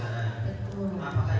apakah itu sudah kesana